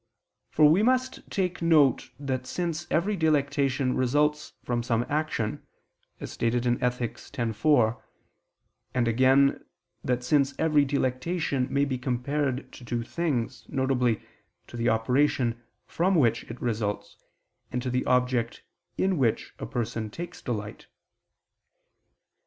For we must take note that since every delectation results from some action, as stated in Ethic. x, 4, and again, that since every delectation may be compared to two things, viz. to the operation from which it results, and to the object in which a person takes delight.